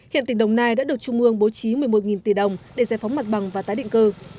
hiện tỉnh đồng nai đã được trung ương bố trí một mươi một tỷ đồng để giải phóng mặt bằng và tái định cư